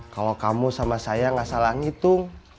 kalau kamu sama saya nggak salah ngitung